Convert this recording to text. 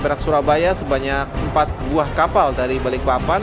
perak surabaya sebanyak empat buah kapal dari balikpapan